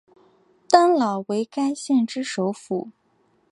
丹老为该县之首府。